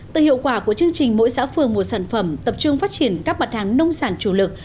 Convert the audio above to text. từ hiệu quả của chương trình mỗi xã phường một sản phẩm tập trung phát triển các mặt hàng nông sản chủ lực